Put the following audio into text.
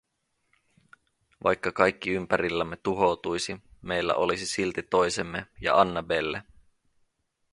Vaikka kaikki ympärillämme tuhoutuisi, meillä olisi silti toisemme ja Annabelle.